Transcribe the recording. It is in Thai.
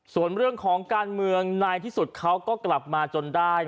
ส่วนเรื่องของการเมืองในที่สุดเขาก็กลับมาจนได้